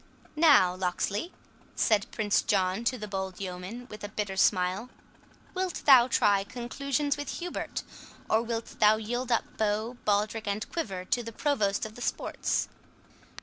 "Now, Locksley," said Prince John to the bold yeoman, with a bitter smile, "wilt thou try conclusions with Hubert, or wilt thou yield up bow, baldric, and quiver, to the Provost of the sports?"